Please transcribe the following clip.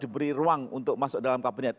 diberi ruang untuk masuk dalam kabinet